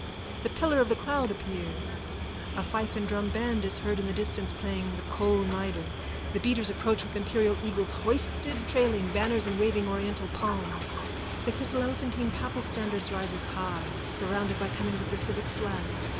The pillar of the cloud appears. A fife and drum band is heard in the distance playing the Kol Nidre. The beaters approach with imperial eagles hoisted, trailing banners and waving oriental palms. The chryselephantine papal standard rises high, surrounded by pennons of the civic flag.